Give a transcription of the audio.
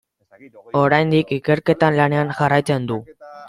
Oraindik ikerketan lanean jarraitzen du.